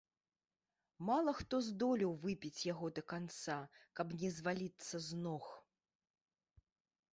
Мала хто здолеў выпіць яго да канца, каб не зваліцца з ног.